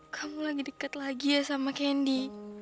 kamu lagi dekat lagi ya sama kendi